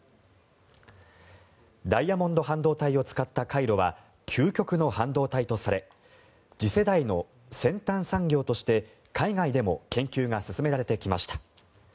ダイヤモンド半導体を使った回路は、究極の半導体とされ次世代の先端産業として海外でも研究が進められてきました。